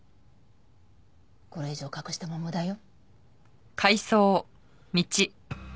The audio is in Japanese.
これ以上隠しても無駄よ。